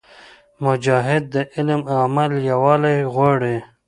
مجاهد د علم او عمل یووالی غواړي.